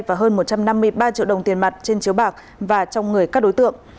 và hơn một trăm năm mươi ba triệu đồng tiền mặt trên chiếu bạc và trong người các đối tượng